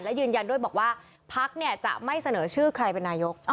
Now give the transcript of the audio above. และยืนยันด้วยบอกว่าพักจะไม่เสนอชื่อใครเป็นนายก